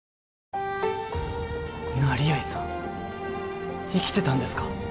成合さん生きてたんですか？